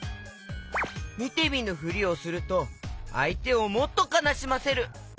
みてみぬふりをするとあいてをもっとかなしませる。